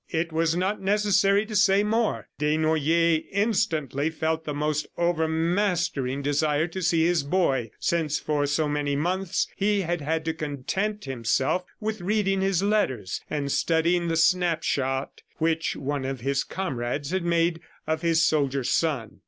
It was not necessary to say more. Desnoyers instantly felt the most overmastering desire to see his boy, since, for so many months, he had had to content himself with reading his letters and studying the snap shot which one of his comrades had made of his soldier son.